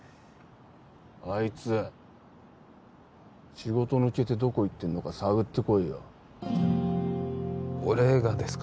あいつ仕事抜けてどこ行ってんのか探ってこいよ俺がですか？